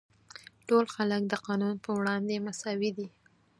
ټول خلک د قانون پر وړاندې مساوي دي.